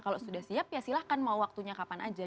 kalau sudah siap ya silahkan mau waktunya kapan aja